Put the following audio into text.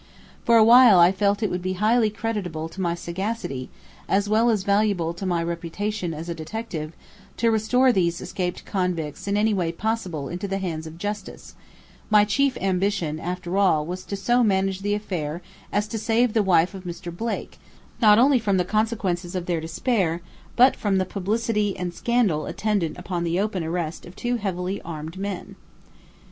For while I felt it would be highly creditable to my sagacity, as well as valuable to my reputation as a detective, to restore these escaped convicts in any way possible into the hands of justice, my chief ambition after all was to so manage the affair as to save the wife of Mr. Blake, not only from the consequences of their despair, but from the publicity and scandal attendant upon the open arrest of two heavily armed men.